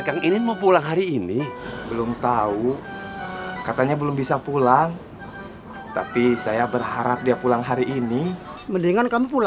kita jadi terbiasa bangun subuh